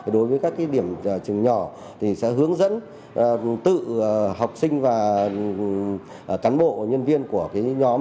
đối với các điểm trường nhỏ thì sẽ hướng dẫn tự học sinh và cán bộ nhân viên của nhóm